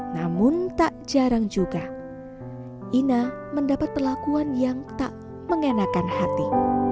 namun tak jarang juga ina mendapat perlakuan yang tak mengenakan hati